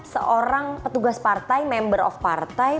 seorang petugas partai member of partai